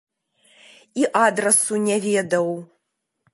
І адрасу не ведаў.